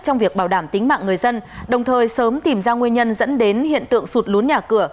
trong việc bảo đảm tính mạng người dân đồng thời sớm tìm ra nguyên nhân dẫn đến hiện tượng sụt lún nhà cửa